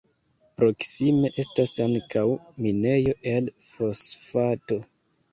Proksime estas ankaŭ minejo el fosfato.